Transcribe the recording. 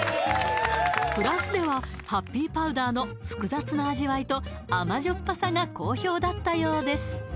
フランスではハッピーパウダーの複雑な味わいと甘じょっぱさが好評だったようです